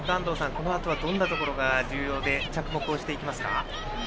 このあとはどんなことが重要で、着目をしていきますか。